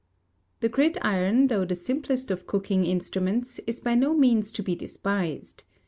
The gridiron, though the simplest of cooking instruments, is by no means to be despised.